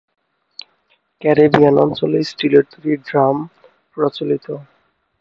Caribbean অঞ্চলে স্টিলের তৈরি ড্রাম প্রচলিত।